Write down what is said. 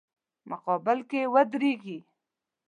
مقابل کې ودریږي.